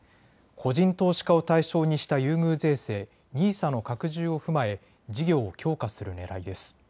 個人投資家を対象にした優遇税制ＮＩＳＡの拡充を踏まえ事業を強化するねらいです。